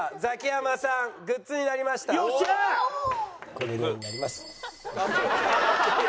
これになります。